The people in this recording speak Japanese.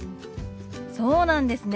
そうなんですね。